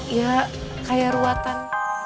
iya kayak ruatan